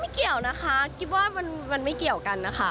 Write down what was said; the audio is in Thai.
เกี่ยวนะคะกิ๊บว่ามันไม่เกี่ยวกันนะคะ